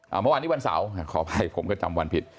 เมื่อวานนี้วันเสาร์ขออภัยผมก็จำวันผิด